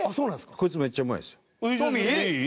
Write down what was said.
こいつめっちゃうまいですよ。